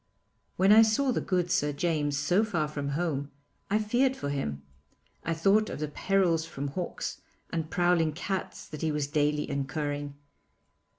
When I saw the good Sir James so far from home, I feared for him. I thought of the perils from hawks and prowling cats that he was daily incurring.